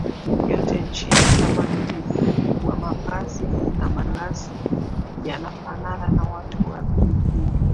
yote nchini kama ni uduni wa mavazi na malazi yanafanana na watu wa vijijini